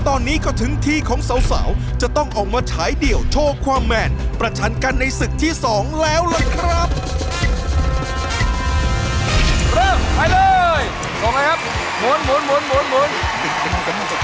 ต้องเร่งมีกันหน่อยแล้วครับคุณหมู